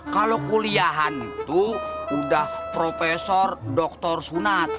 kalau kuliahan itu udah profesor dr sunat